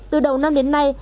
từ đầu năm đến nay